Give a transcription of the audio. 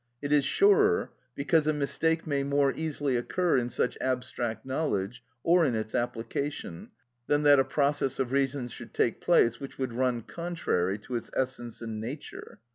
It is surer, because a mistake may more easily occur in such abstract knowledge, or in its application, than that a process of reason should take place which would run contrary to its essence and nature.